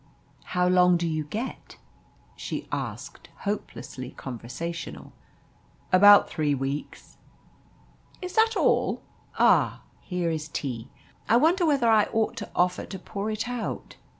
"How long do you get?" she asked, hopelessly conversational. "About three weeks." "Is that all? Ah! here is tea. I wonder whether I ought to offer to pour it out!"